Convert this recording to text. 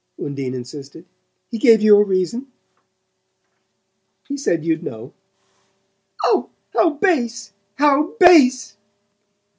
Undine insisted. "He gave you a reason? "He said you'd know." "Oh how base how base!"